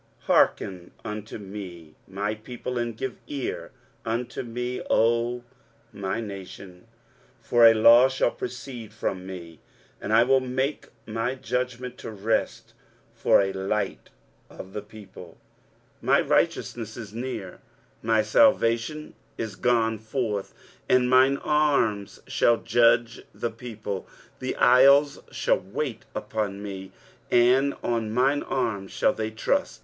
23:051:004 Hearken unto me, my people; and give ear unto me, O my nation: for a law shall proceed from me, and I will make my judgment to rest for a light of the people. 23:051:005 My righteousness is near; my salvation is gone forth, and mine arms shall judge the people; the isles shall wait upon me, and on mine arm shall they trust.